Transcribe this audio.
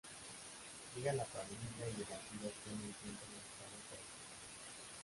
Llega la pandilla y el vampiro obtiene el tiempo necesario para escapar.